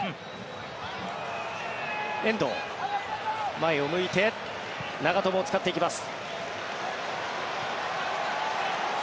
遠藤、前を向いて長友を使っていきます。